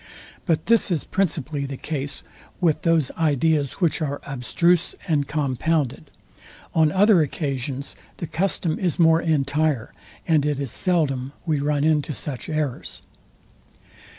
But this is principally the case with those ideas which are abstruse and compounded. On other occasions the custom is more entire, and it is seldom we run into such errors.